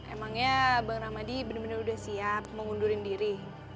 emangnya abang ramadi bener bener udah siap mengundurin diri